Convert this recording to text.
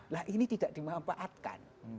lah ini tidak dimanfaatkan